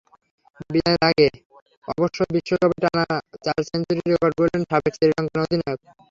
বিদায়ের আগেই অবশ্য বিশ্বকাপে টানা চার সেঞ্চুরির রেকর্ড গড়েন সাবেক শ্রীলঙ্কান অধিনায়ক।